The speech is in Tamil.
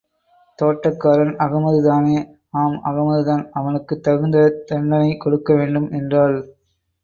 தோட்டக்காரன் அகமதுதானே? ஆம் அகமதுதான் அவனுக்குத் தகுந்த தண்டனை கொடுக்க வேண்டும்! என்றாள்.